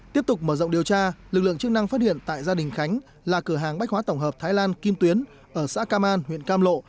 tiếp tục mở rộng điều tra lực lượng chức năng phát hiện tại gia đình khánh là cửa hàng bách hóa tổng hợp thái lan kim tuyến ở xã cam an huyện cam lộ